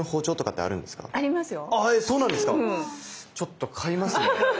ちょっと買いますね。